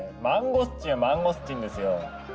マンゴスチンはマンゴスチンですよ！